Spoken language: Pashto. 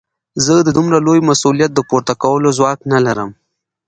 زه د دومره لوی مسوليت د پورته کولو ځواک نه لرم.